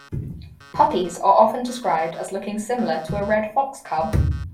Puppies are often described as looking similar to a red fox cub.